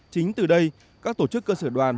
chính từ đây các tổ chức cơ sở đoàn